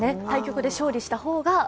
対局で勝利した方が。